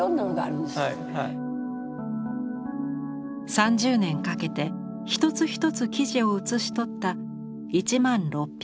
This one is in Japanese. ３０年かけて一つ一つ記事を写し取った１万６００個のレンガ。